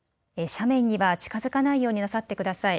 斜面には近づかないようになさってください。